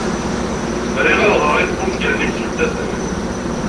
Riɣ ad ɣreɣ ungalen imsultanen.